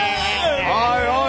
おいおい